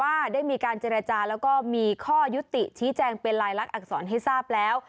ว่าได้มีการเจรจาแล้วก็มีข้อยุติชี้แจงเป็นลายลักษณอักษรให้ทราบแล้ว